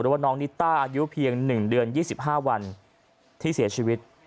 หรือว่าน้องนิตต้าอายุเพียงหนึ่งเดือนยี่สิบห้าวันที่เสียชีวิต